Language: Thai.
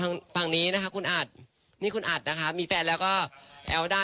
ฝั่งนี้นะคะคุณอัดนี่คุณอัดนะคะมีแฟนแล้วก็แอลด้า